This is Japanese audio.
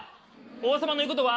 王様の言うことは。